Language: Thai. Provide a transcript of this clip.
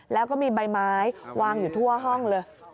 แล้วก็มีใบไม้วางอยู่ทั่วห้องเลย